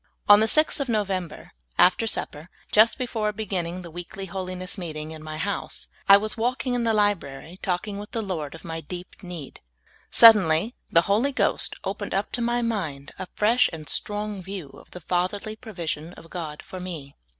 On the 6th of Xovember, after sup per, just before beginning the weekly holiness meeting in m}^ house, I was walking in the library, talking with the Lord of m}^ deep need ; suddenly the Hoh' Ghost opened up to my mind a fresh and strong view of the Fatherly provision of God for me.